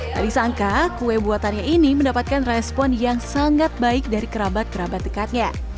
tak disangka kue buatannya ini mendapatkan respon yang sangat baik dari kerabat kerabat dekatnya